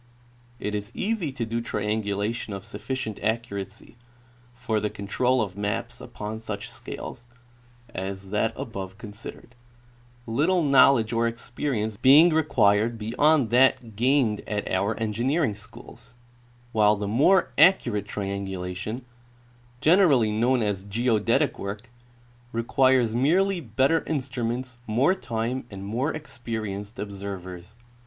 It is easy to do triangulation of sufficient accuracy for the control of maps upon such scales as that above considered, little knowledge or experience being required beyond that gained at our engineering schools ; while the more accurate triangulation, generally known as geodetic work, requires merely better instruments, more time, and more experienced observers.